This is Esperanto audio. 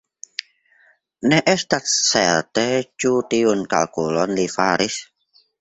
Ne estas certe, ĉu tiun kalkulon li faris.